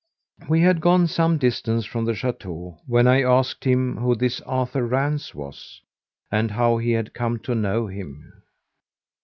We had gone some distance from the chateau when I asked him who this Arthur Rance was, and how he had come to know him.